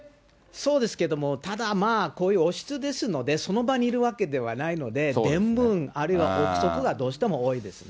そうですけども、ただまあ、こういう王室ですので、その場にいるわけではないので、伝聞、あるいは臆測がどうしても多いですね。